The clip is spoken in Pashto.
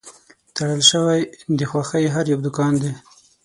تړل شوی د خوښۍ هر یو دوکان دی